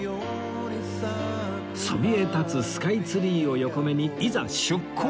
そびえ立つスカイツリーを横目にいざ出港！